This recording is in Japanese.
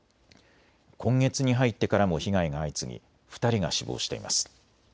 今月に入ってからも被害が相次ぎ２人が死亡しています。